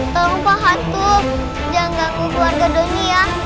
tolong pak hantu jangan ganggu keluarga doni ya